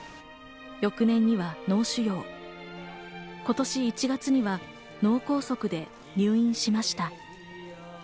翌年には脳腫瘍、今年１月には脳梗塞で入院しました。